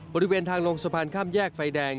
บริเวณทางลงสะพานข้ามแยกไฟแดง